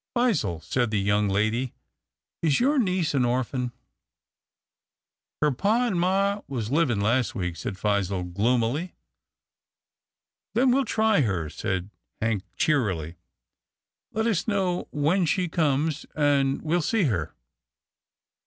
" Phizelle," said the young lady, " is your niece an orphan? "" Her pa and ma was livin' last week," said Phizelle gloomily. " Then we'll try her," said Hank cheerily. " Let us know when she comes, and we'll see her."